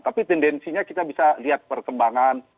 tapi tendensinya kita bisa lihat perkembangan